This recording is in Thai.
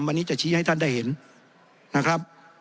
วันนี้จะชี้ให้ท่านได้เห็นนะครับ